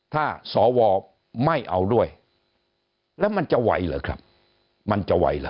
ถ้าสวไม่เอาด้วยแล้วมันจะไหวเหรอครับมันจะไหวเหรอ